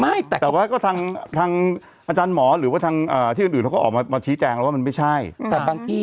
ไม่แต่ว่าก็ทางอาจารย์หมอมาเชียงไว้ว่ามันไม่ใช่